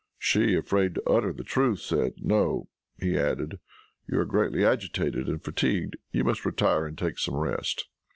She, afraid to utter the truth, said, "No." He added, "You are greatly agitated and fatigued. You must retire and take some rest."